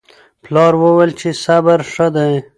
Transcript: پلار وویل چې صبر ښه دی.